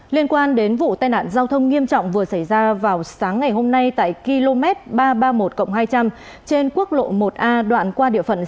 liên quan đến vụ tai nạn giao thông nghiêm trọng vừa xảy ra vào sáng ngày hôm nay tại km ba trăm ba mươi một hai trăm linh trên quốc lộ một a đoạn qua địa phận